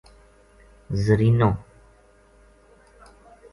زرینو